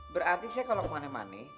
berarti saya kalau kemana mana